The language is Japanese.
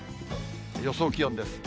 予想気温です。